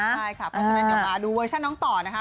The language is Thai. ใช่ค่ะเพราะฉะนั้นเดี๋ยวมาดูเวอร์ชันน้องต่อนะคะ